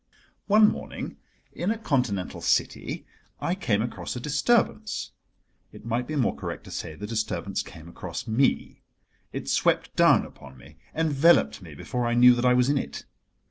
One morning, in a Continental city, I came across a disturbance—it might be more correct to say the disturbance came across me: it swept down upon me, enveloped me before I knew that I was in it.